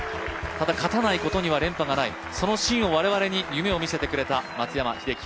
ただ勝たないことには連覇がない、そのシーンを我々に夢をみさせてくれた松山英樹